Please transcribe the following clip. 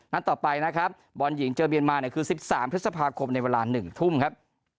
ต่อไปนะครับบอลหญิงเจอเมียนมาเนี่ยคือ๑๓พฤษภาคมในเวลา๑ทุ่มครับ